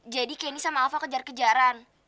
jadi kendi sama alva kejar kejaran